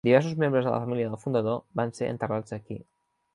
Diversos membres de la família del fundador van ser enterrats aquí.